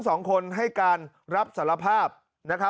มีพฤติกรรมเสพเมถุนกัน